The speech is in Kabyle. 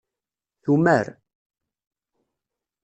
Tumar.